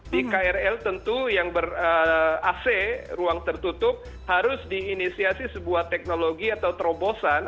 di krl tentu yang ber ac ruang tertutup harus diinisiasi sebuah teknologi atau terobosan